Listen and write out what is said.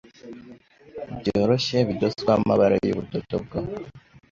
byoroshye Bidozweho amabara y ubudodo bwo